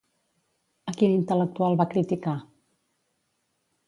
A quin intel·lectual va criticar?